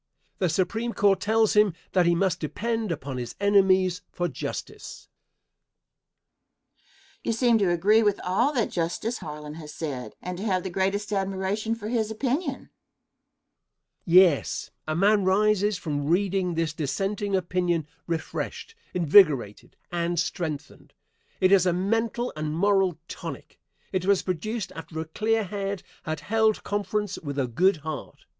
The Supreme Court tells him that he must depend upon his enemies for justice. Question. You seem to agree with all that Justice Harlan has said, and to have the greatest admiration for his opinion? Answer. Yes, a man rises from reading this dissenting opinion refreshed, invigorated, and strengthened. It is a mental and moral tonic. It was produced after a clear head had held conference with a good heart.